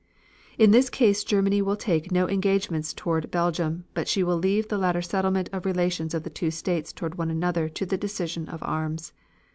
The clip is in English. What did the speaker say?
In this case Germany will take no engagements toward Belgium, but she will leave the later settlement of relations of the two states toward one another to the decision of arms.